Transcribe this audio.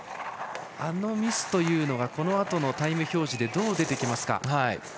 あのミスがこのあとのタイム表示でどう出てくるか。